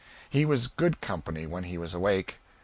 He was good company when he was awake.